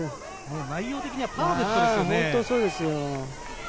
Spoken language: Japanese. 内容的にはパーフェクトですよね。